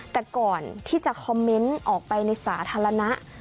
แต่ก่อนที่จะคอมเมนต์ออกไปในสาธารณะ